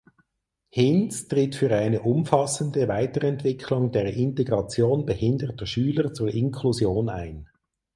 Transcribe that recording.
Hinz tritt für eine umfassende Weiterentwicklung der Integration behinderter Schüler zur Inklusion ein.